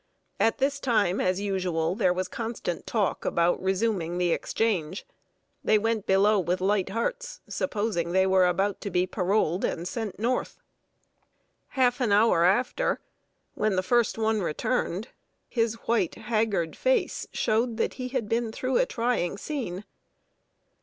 At this time, as usual, there was constant talk about resuming the exchange. They went below with light hearts, supposing they were about to be paroled and sent North. Half an hour after, when the first one returned, his white, haggard face showed that he had been through a trying scene.